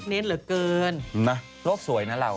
เน้นเหลือเกินนะโลกสวยนะเรา